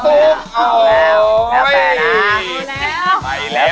เอาแล้วแล้วแปลนะ